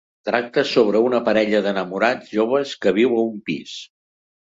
Tracta sobre una parella d'enamorats joves que viu a un pis.